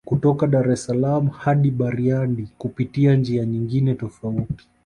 Kutoka Dar es salaaam hadi Bariadi kupitia njia nyingine tofauti